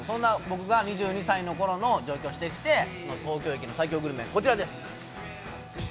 ２３歳で上京してきて、東京駅の最強グルメ、こちらです。